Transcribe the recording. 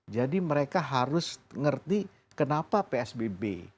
jadi mereka harus ngerti kenapa psbb